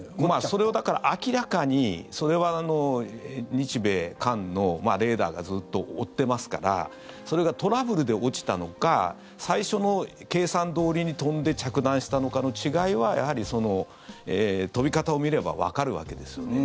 それを、だから明らかにそれは日米韓のレーダーがずっと追ってますからそれがトラブルで落ちたのか最初の計算どおりに飛んで着弾したのかの違いは飛び方を見ればわかるわけですよね。